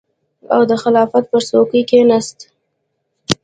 او د خلافت پر څوکۍ کېناست.